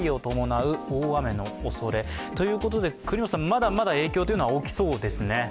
まだまだ影響というのは大きそうですね。